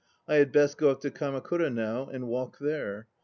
I had best go up to Kamakura now and wait there.